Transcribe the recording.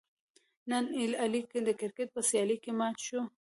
نن علي د کرکیټ په سیالۍ کې مات شو.